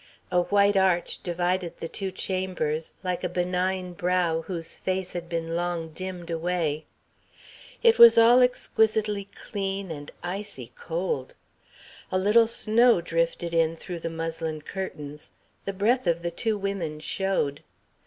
A white arch divided the two chambers, like a benign brow whose face had long been dimmed away. It was all exquisitely clean and icy cold. A little snow drifted in through the muslin curtains. The breath of the two women showed.